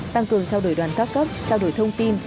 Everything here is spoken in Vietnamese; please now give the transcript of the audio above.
tăng cường trao đổi đoàn các cấp trao đổi thông tin